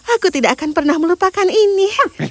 aku tidak akan pernah melupakan ini